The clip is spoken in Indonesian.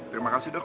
terima kasih dok